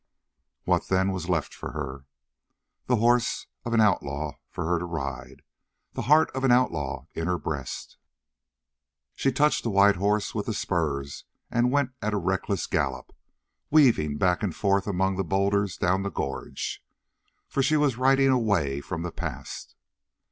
What, then, was left for her? The horse of an outlaw for her to ride; the heart of an outlaw in her breast. She touched the white horse with the spurs and went at a reckless gallop, weaving back and forth among the boulders down the gorge. For she was riding away from the past.